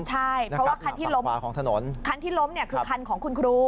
เพราะว่าคันที่ล้มคือคันของคุณครู